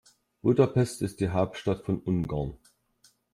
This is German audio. Budapest ist die Hauptstadt von Ungarn.